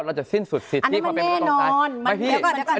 เราจะสิ้นสุดอันนี้มันแน่นอน